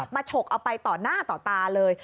ฉกเอาไปต่อหน้าต่อตาเลย